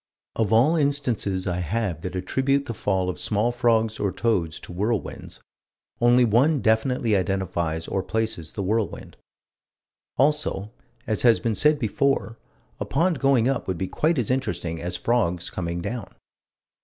Of all instances I have that attribute the fall of small frogs or toads to whirlwinds, only one definitely identifies or places the whirlwind. Also, as has been said before, a pond going up would be quite as interesting as frogs coming down.